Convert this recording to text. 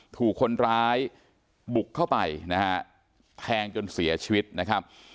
ถูกคนร้ายบุกเข้าไปนะฮะแทงจนเสียชีวิตนะครับ